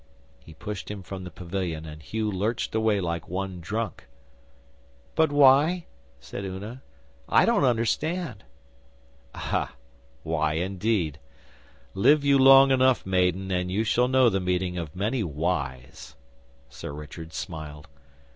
He pushed him from the pavilion, and Hugh lurched away like one drunk.' 'But why?' said Una. 'I don't understand.' 'Ah, why indeed? Live you long enough, maiden, and you shall know the meaning of many whys.' Sir Richard smiled.